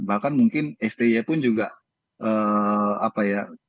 bahkan mungkin sti pun juga apa ya